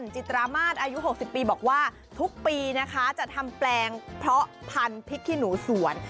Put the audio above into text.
จิตรามาศอายุ๖๐ปีบอกว่าทุกปีนะคะจะทำแปลงเพราะพันธุ์พริกขี้หนูสวน